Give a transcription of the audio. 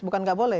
bukan gak boleh